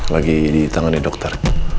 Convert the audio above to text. lagi di tangan dokter